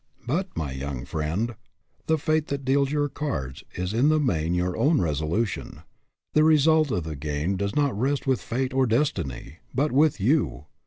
But, my young friend, the fate that deals your cards is in the main your own resolution. The result of the game does not rest with fate or destiny, but with you.